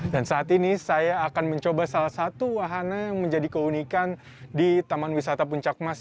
dan saat ini saya akan mencoba salah satu wahana yang menjadi keunikan di taman wisata puncak mas